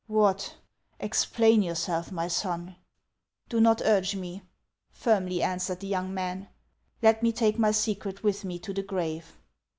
" What ? Explain yotirself, my son !"" Do not urge me," firmly answered the young man. " Let me take my secret with me to the grave."